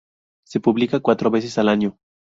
Se publica cuatro veces al año.